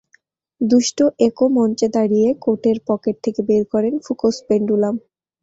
দুষ্টু একো মঞ্চে দাঁড়িয়ে কোটের পকেট থেকে বের করেন ফুকোস পেন্ডুলাম।